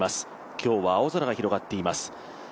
今日は青空が広がっています。